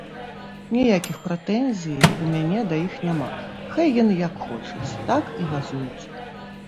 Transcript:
Ніякіх прэтэнзій у мяне да іх няма, хай яны як хочуць, так і газуюць.